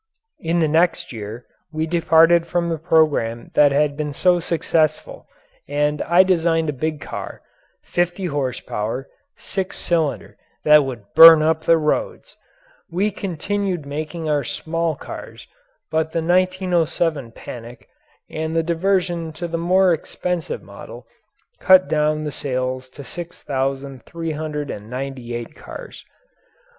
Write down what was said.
In the next year we departed from the programme that had been so successful and I designed a big car fifty horsepower, six cylinder that would burn up the roads. We continued making our small cars, but the 1907 panic and the diversion to the more expensive model cut down the sales to 6,398 cars.